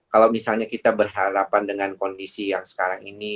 kalau misalnya kita berharapan dengan kondisi yang sekarang ini